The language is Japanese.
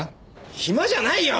暇じゃないよ！